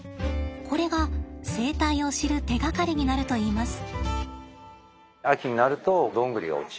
これが生態を知る手がかりになるといいます。